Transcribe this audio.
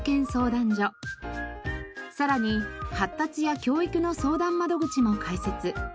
さらに発達や教育の相談窓口も開設。